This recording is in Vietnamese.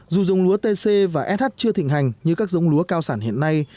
dù giống lúa tc và sh chưa thịnh hành như các giống lúa cao sản hiện nay